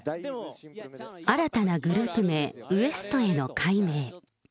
新たなグループ名、ＷＥＳＴ．への改名。